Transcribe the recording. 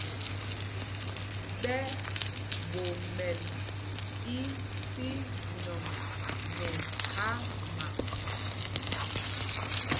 Ɓɛ ɓomɛl ísínɔŋ nɛ hámâ.